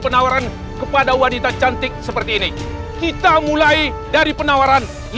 penawaran kepada wanita cantik seperti ini kita mulai dari penawaran lima puluh lima